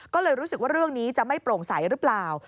ก็เลยรู้สึกว่าเรื่องนี้จะไม่โปร่งใสหรือเปล่า